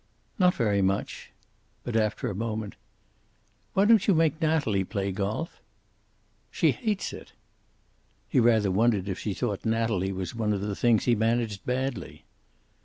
"Not very much." But after a moment: "Why don't you make Natalie play golf?" "She hates it." He rather wondered if she thought Natalie was one of the things he managed badly.